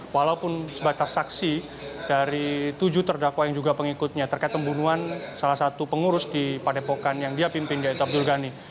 walaupun sebatas saksi dari tujuh terdakwa yang juga pengikutnya terkait pembunuhan salah satu pengurus di padepokan yang dia pimpin yaitu abdul ghani